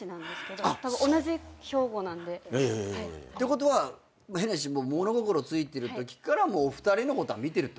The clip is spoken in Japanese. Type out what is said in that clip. ことは変な話物心ついてるときからもうお二人のことは見てるってこと？